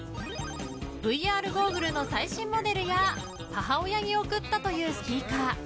ＶＲゴーグルの最新モデルや母親に贈ったというスピーカー。